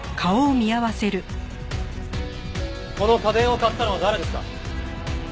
この家電を買ったのは誰ですか？